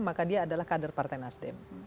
maka dia adalah kader partai nasdem